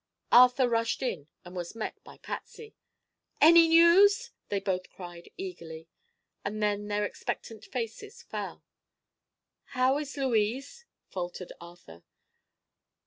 Arthur rushed in and was met by Patsy. "Any news?" they both cried eagerly; and then their expectant faces fell. "How is Louise?" faltered Arthur.